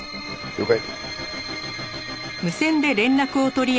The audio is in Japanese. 了解。